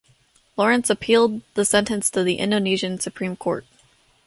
Lawrence appealed the sentence to the Indonesian Supreme Court.